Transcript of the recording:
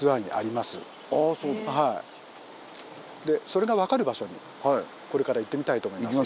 それが分かる場所にこれから行ってみたいと思います。